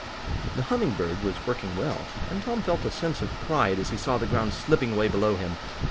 The Humming Bird was working well, and Tom felt a sense of pride as he saw the ground slipping away below him.